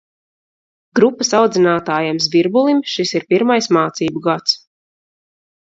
Grupas audzinātājam Zvirbulim šis ir pirmais mācību gads.